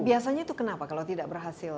biasanya itu kenapa kalau tidak berhasil